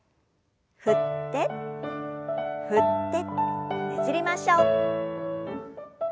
振って振ってねじりましょう。